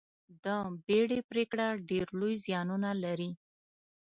د بیړې پرېکړه ډېر لوی زیانونه لري.